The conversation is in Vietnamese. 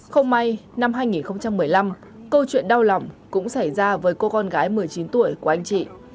không may năm hai nghìn một mươi năm câu chuyện đau lòng cũng xảy ra với cô con gái một mươi chín tuổi của anh chị